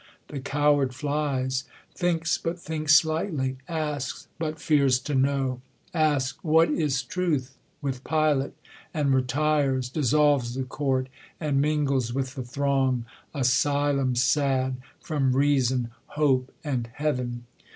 The coward flies ; Thinks, but thinks slightly ; asks, but fears to know ; Asks " What is truth ?" with Pilate ; and retires ; Dissolves the court, and mingles with the throng ; Asylum sad ! from reason, hope, and heaven